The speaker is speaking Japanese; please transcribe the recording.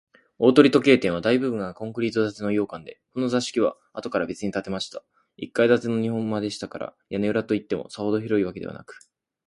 大鳥時計店は、大部分がコンクリート建ての洋館で、この座敷は、あとからべつに建てました一階建ての日本間でしたから、屋根裏といっても、さほど広いわけでなく、